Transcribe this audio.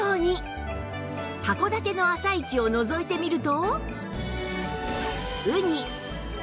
函館の朝市をのぞいてみると